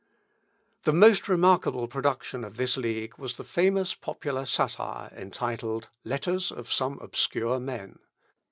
The most remarkable production of this league was the famous popular satire, entitled, "Letters of some Obscure Men."